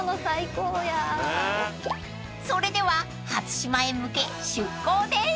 ［それでは初島へ向け出港です］